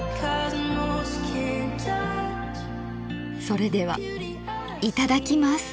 それではいただきます！